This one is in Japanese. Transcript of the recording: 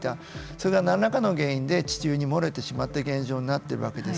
それが何らかの原因で地球に漏れてしまった現状になっているわけです。